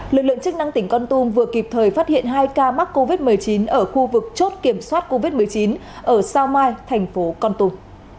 lực lượng chức năng tỉnh con tum vừa kịp thời phát hiện hai ca mắc covid một mươi chín ở khu vực chốt kiểm soát covid một mươi chín ở sao mai thành phố con tum